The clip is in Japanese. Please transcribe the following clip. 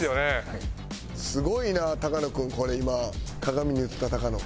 すごいな高野君これ今鏡に映った高野。